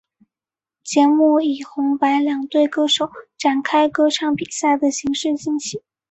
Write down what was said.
节目以红白两队歌手展开歌唱比赛的形式进行。